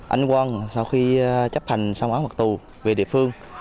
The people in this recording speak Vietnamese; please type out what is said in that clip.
anh quang sau khi chấp hành xong án phạt tù về địa phương